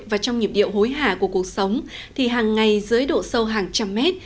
và trong nhịp điệu hối hả của cuộc sống thì hàng ngày dưới độ sâu hàng trăm mét